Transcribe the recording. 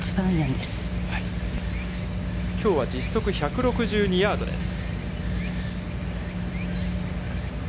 きょうは実測１６２ヤードです。